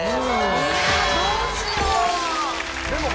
いやどうしよう！